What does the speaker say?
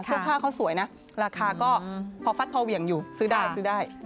เสื้อผ้าเขาสวยนะราคาก็พอฟัดพอเหวี่ยงอยู่ซื้อได้ซื้อได้